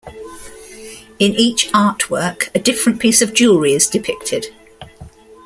In each artwork, a different piece of jewelry is depicted.